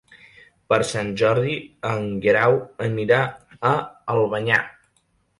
Per Sant Jordi en Guerau anirà a Albanyà.